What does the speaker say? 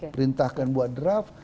perintahkan buat draft